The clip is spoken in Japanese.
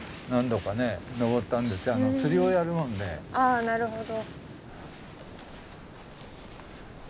あなるほど。